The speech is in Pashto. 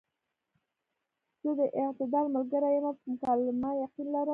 زۀ د اعتدال ملګرے يم او پۀ مکالمه يقين لرم -